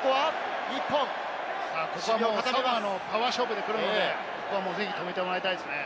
サモアはパワー勝負で来るので、ぜひ止めてもらいたいですね。